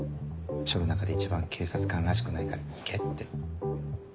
署の中で一番警察官らしくないから行けって。